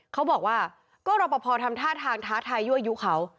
เขาบอกว่าก็รอปภทำท่าทางท้าทายยั่วยุเขา